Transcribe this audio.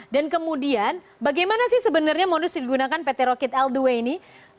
dan kemudian bagaimana sih sebenarnya modus yang digunakan pt rocket all the way ini